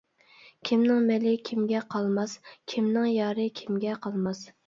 كىمنىڭ مېلى كىمگە قالماس، كىمنىڭ يارى كىمگە قالماس.